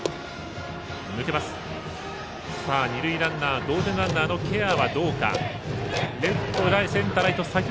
二塁ランナー同点のランナーのケアはどうか。